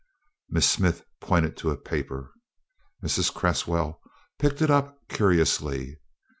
Miss Smith pointed to a paper. Mrs. Cresswell picked it up curiously.